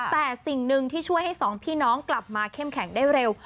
แต่สิ่งหนึ่งที่ช่วยให้สองพี่น้องกลับมาเข้มแข็งได้เร็ว